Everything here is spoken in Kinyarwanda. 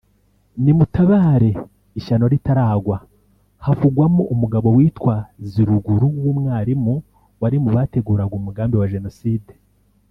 Nimutabare ishyano ritaragwa” havugwamo umugabo witwa Ziruguru w’umwarimu wari mu bateguraga umugambi wa Jenoside